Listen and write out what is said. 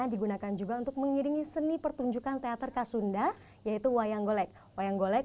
digunakan juga untuk mengiringi seni pertunjukan teater kasunda yaitu wayang golek wayang golek